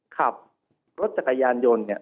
ขับรถจักรยานยนต์เนี่ย